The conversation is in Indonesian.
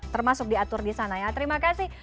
termasuk diatur di sana ya terima kasih